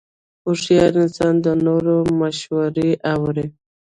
هوښیار انسان د نورو مشورې اوري.